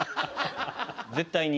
絶対に。